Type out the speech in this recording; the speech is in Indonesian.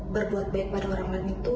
berbuat baik pada orang lain itu